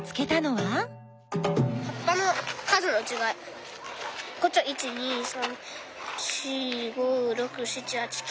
はっぱのこっちは１２３４５６７８９。